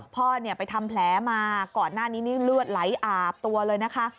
พ่อเนี่ยไปทำแผลมาก่อนหน้านี้นี่เลือดไหลอาบตัวเลยนะคะ